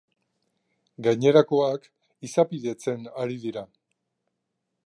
Gainerakoak izapidetzen ari dira.